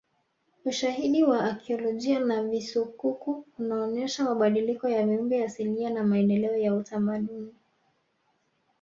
Ushahidi wa akiolojia na visukuku unaonesha mabadiliko ya viumbe asilia na maendeleo ya utamaduni